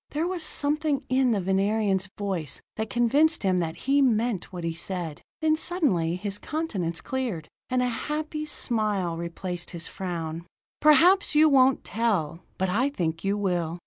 There was something in the Venerian's voice that convinced him that he meant what he said. Then suddenly his countenance cleared, and a happy smile replaced his frown. "Perhaps you won't tell, but I think you will.